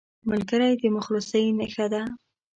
ملګری د مخلصۍ نښه ده